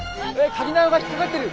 かぎ縄が引っ掛かってる。